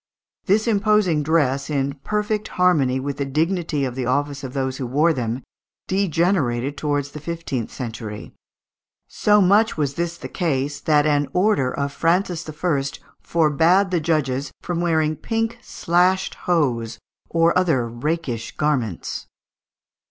This imposing dress, in perfect harmony with the dignity of the office of those who wore them, degenerated towards the fifteenth century. So much was this the case, that an order of Francis I. forbad the judges from wearing pink "slashed hose" or other "rakish garments."